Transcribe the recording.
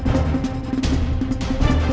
jangan jangan jangan jangan